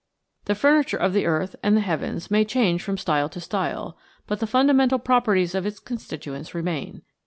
The furniture of the earth and of the heavens may change from style to style, but the fundamental properties of its constituents remain.